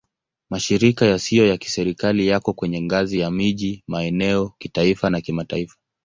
Mashirika yasiyo ya Kiserikali yako kwenye ngazi ya miji, maeneo, kitaifa na kimataifa.